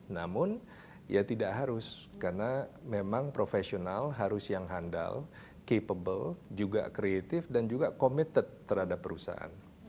namun ya tidak harus karena memang profesional harus yang handal capable juga kreatif dan juga committed terhadap perusahaan